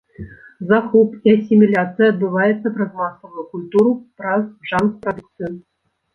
Захоп і асіміляцыя адбываецца праз масавую культуру, праз джанк-прадукцыю.